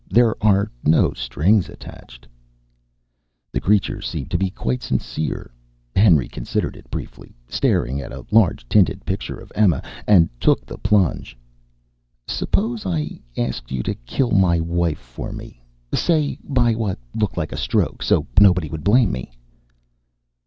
There are no strings attached." The creature seemed to be quite sincere. Henry considered it briefly, staring at a large tinted picture of Emma, and took the plunge. "Suppose I asked you to kill my wife for me say by what looked like a stroke, so nobody would blame me?"